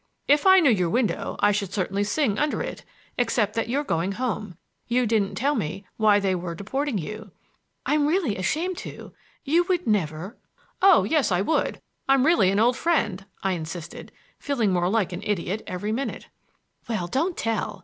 "If I knew your window I should certainly sing under it,—except that you're going home! You didn't tell me why they were deporting you." "I'm really ashamed to! You would never—" "Oh, yes, I would; I'm really an old friend!" I insisted, feeling more like an idiot every minute. "Well, don't tell!